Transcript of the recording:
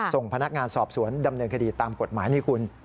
ส่งพนักงานสอบสวนดำเนินคดีตามกฎหมายนี่คุณ